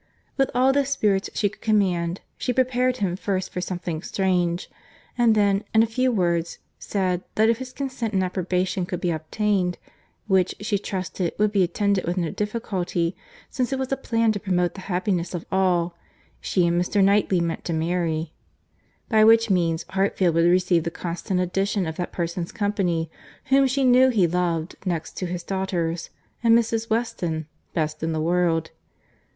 —With all the spirits she could command, she prepared him first for something strange, and then, in a few words, said, that if his consent and approbation could be obtained—which, she trusted, would be attended with no difficulty, since it was a plan to promote the happiness of all—she and Mr. Knightley meant to marry; by which means Hartfield would receive the constant addition of that person's company whom she knew he loved, next to his daughters and Mrs. Weston, best in the world.